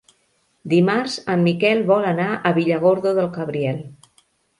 Dimarts en Miquel vol anar a Villargordo del Cabriel.